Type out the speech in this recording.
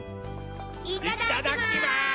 いただきます！